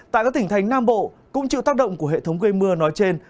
tại các tỉnh thành nam bộ cũng chịu tác động của hệ thống gây mưa nói trên